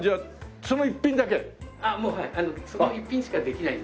その一品しかできないので。